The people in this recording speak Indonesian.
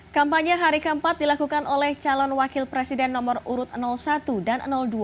kampanye hari keempat dilakukan oleh calon wakil presiden nomor urut satu dan dua